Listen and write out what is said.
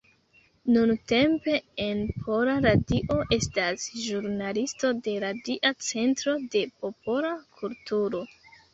Nuntempe en Pola Radio estas ĵurnalisto de Radia Centro de Popola Kulturo.